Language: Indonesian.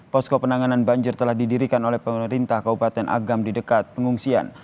posko penanganan banjir telah didirikan oleh pemerintah kabupaten agam di dekat pengungsian